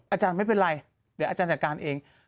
อาจารย์ไม่เป็นไรเดี๋ยวอาจารย์จัดการเอง